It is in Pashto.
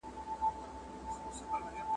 که زور په بازو نه لري زر په ترازو نه لري `